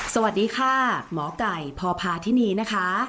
สวัสดีค่ะหมอไก่พพาธินีนะคะ